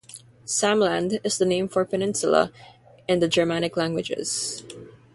"Samland" is the name for peninsula in the Germanic languages.